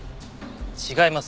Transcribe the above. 違います。